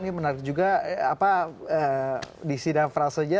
ini menarik juga di sidang frase nya